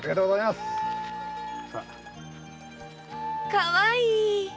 かわいい。